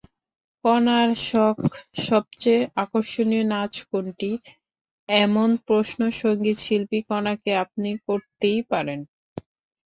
কনার শখসবচেয়ে আকর্ষণীয় নাচ কোনটি, এমন প্রশ্ন সংগীতশিল্পী কনাকে আপনি করতেই পারেন।